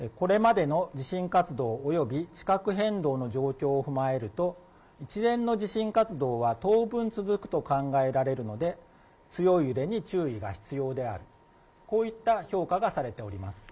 これまでの地震活動および地殻変動の状況を踏まえると、一連の地震活動は当分続くと考えられるので、強い揺れに注意が必要である。